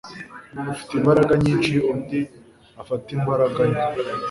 ufite imbaraga nyinshi undi afate imbaraga nke